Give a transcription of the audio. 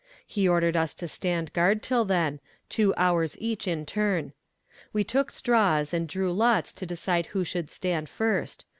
He ordered us to stand guard till then, two hours each in turn. We took straws, and drew lots to decide who should stand first.